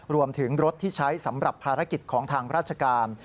รวมถึงรถที่ใช้สำหรับภารกิจของทางราชการ